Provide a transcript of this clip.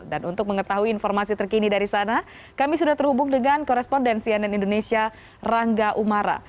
dan untuk mengetahui informasi terkini dari sana kami sudah terhubung dengan korespondensi ann indonesia rangga umara